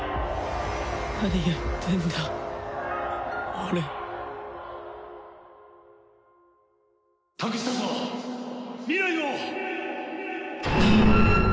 何やってんだ俺託したぞ未来を！